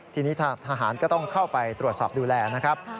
ทีนี้ทหารก็ต้องเข้าไปตรวจสอบดูแลนะครับ